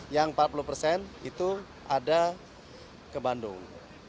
yang empat puluh persen itu ada ke bandung